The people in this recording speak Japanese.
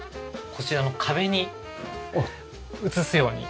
こちらの壁に映すように。